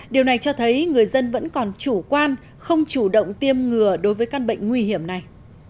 điều này cho thấy người dân vẫn còn chủ quan không chủ động tiêm ngừa đối với căn bệnh nguy hiểm này